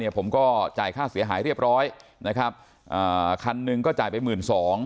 ผมก็จ่ายค่าเสียหายเรียบร้อยนะครับอ่าคันหนึ่งก็จ่ายไปหมื่นสอง